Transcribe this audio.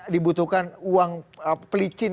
dibutuhkan uang pelicin